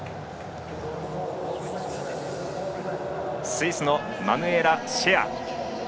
スイスのマヌエラ・シェア。